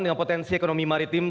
dengan potensi ekonomi maritim